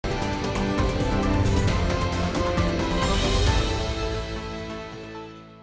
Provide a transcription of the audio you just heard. jadi kita harus bergabung